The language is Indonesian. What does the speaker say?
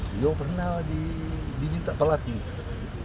tio pernah dibinta pelatih